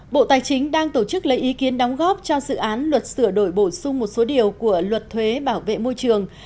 bộ tài chính đang tổ chức lấy ý kiến đóng góp cho dự án luật sửa đổi bổ sung một số điều của luật thuế bảo vệ môi trường